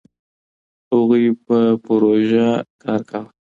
هغوی په پروژه کار کاوه.